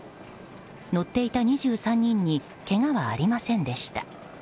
乗っていた２３人にけがはありませんでした。